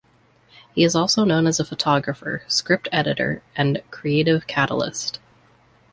He is also known as a photographer, script editor, and creative catalyst.